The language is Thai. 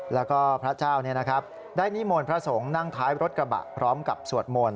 แล้วก็พระเจ้าได้นิมนต์พระสงฆ์นั่งท้ายรถกระบะพร้อมกับสวดมนต